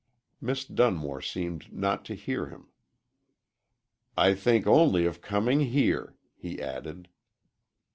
Miss Dunmore seemed not to hear him. "I think only of coming here," he added.